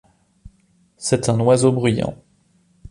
C'est un oiseau bruyant.